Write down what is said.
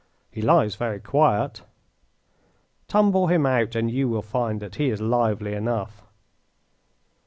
"He lies very quiet." "Tumble him out and you will find that he is lively enough."